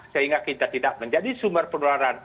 sehingga kita tidak menjadi sumber penularan